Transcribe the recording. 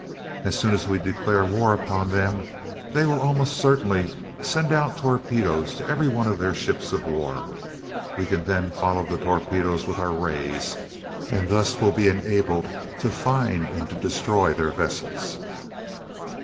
As soon as we declare war upon them they will almost certainly send out torpedoes to every one of their ships of war. We can then follow the torpedoes with our rays, and thus will be enabled to find and to destroy their vessels."